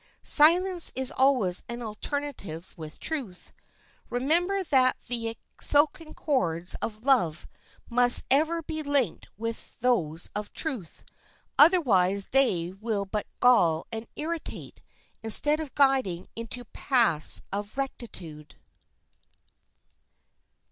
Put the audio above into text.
Silence is always an alternative with truth. Remember that the silken cords of love must ever be linked with those of truth; otherwise they will but gall and irritate, instead of guiding into paths of rectitude.